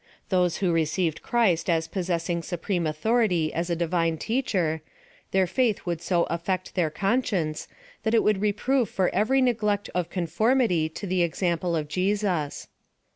Those who received Christ as possessing supreme authority as a divine teacher; their faith would so affect their conscience, that it would reprove for every neglect of conformity to the example of Jesus.